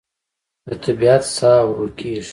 د طبیعت ساه ورو کېږي